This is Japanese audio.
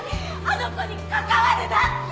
あの子に関わるなって！